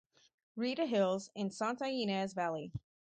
Rita Hills and Santa Ynez Valley.